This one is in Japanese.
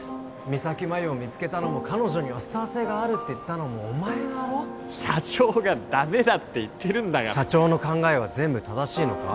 三咲麻有を見つけたのも彼女にはスター性があるって言ったのもお前だろ社長がダメだって言ってるんだから社長の考えは全部正しいのか？